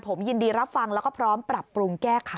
ผมยินดีรับฟังแล้วก็พร้อมปรับปรุงแก้ไข